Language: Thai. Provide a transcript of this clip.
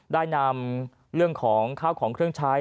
ได้นำเรื่องของข้าวของเครื่องใช้